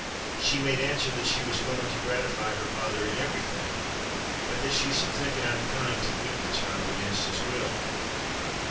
She made answer, that she was willing to gratify her father in everything; but that she should think it unkind to leave the child against his will.